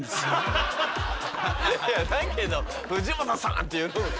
だけど「藤本さん」って言う方が。